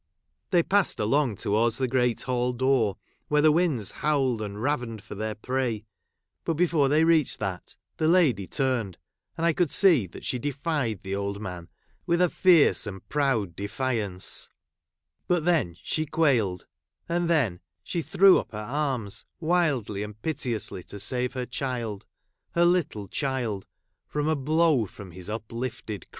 | They passed along towards the great hall door, where the winds hoAvled and ravened for tlieir prey ; but before they reached that, the lady tiu'iied ; and I could see that she defied the old man with a fierce and proud defiance ; but then she quailed — and then she threw up her arms wildly and piteously to save her child — her little child — from a blow from his uplifted crutch.